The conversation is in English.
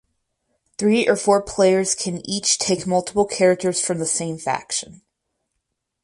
Three or four players can each take multiple characters from the same faction.